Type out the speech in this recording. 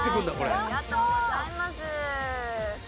ありがとうございます。